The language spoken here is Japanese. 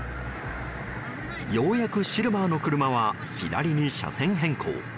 ようやくシルバーの車は左に車線変更。